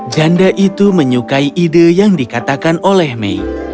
janda itu menyukai ide yang dikatakan oleh mei